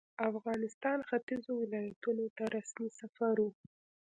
افغانستان ختیځو ولایتونو ته رسمي سفر وو.